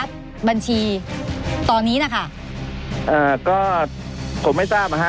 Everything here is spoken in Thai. ผมบอกมีไงครับ